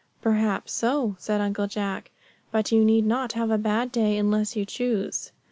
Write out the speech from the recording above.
"Perhaps so," said Uncle Jack; "but you need not have a bad day unless you choose."